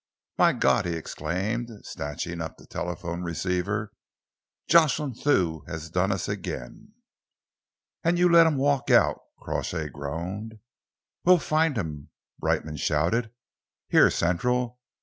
"My God!" he exclaimed, snatching up the telephone receiver. "Jocelyn Thew has done us again!" "And you let him walk out!" Crawshay groaned. "We'll find him," Brightman shouted. "Here, Central!